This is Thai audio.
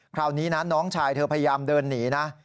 คราวนี้นะน้องชายเธอพยายามเดินหนีนะ